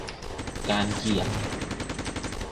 การเหยียด